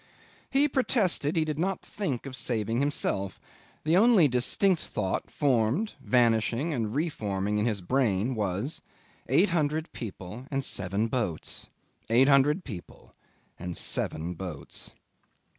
'He protested he did not think of saving himself. The only distinct thought formed, vanishing, and re forming in his brain, was: eight hundred people and seven boats; eight hundred people and seven boats.